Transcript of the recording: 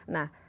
nah tapi tadi